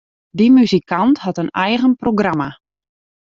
Dy muzikant hat in eigen programma.